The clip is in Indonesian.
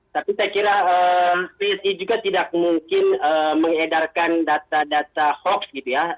tapi saya kira psi juga tidak mungkin mengedarkan data data hoax gitu ya